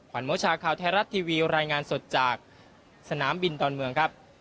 โมชาข่าวไทยรัฐทีวีรายงานสดจากสนามบินดอนเมืองครับ